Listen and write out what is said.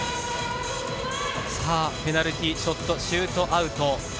さあペナルティ・ショット・シュートアウト。